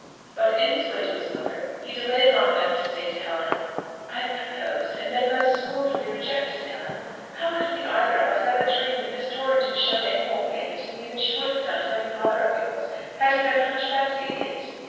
But in his way to his mother, he delayed long enough to say to Helen, "I have proposed, and been most scornfully rejected, Helen. How could we either of us ever dream that Miss Torrington showed any more favour to me than she would have done to any brother of yours, had he been a hunchbacked idiot?"